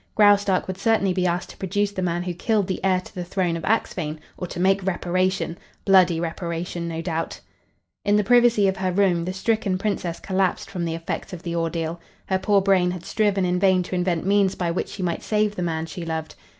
Graustark would certainly be asked to produce the man who killed the heir to the throne of Axphain, or to make reparation bloody reparation, no doubt. In the privacy of her room the stricken Princess collapsed from the effects of the ordeal. Her poor brain had striven in vain to invent means by which she might save the man she loved.